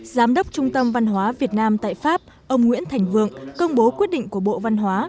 giám đốc trung tâm văn hóa việt nam tại pháp ông nguyễn thành vượng công bố quyết định của bộ văn hóa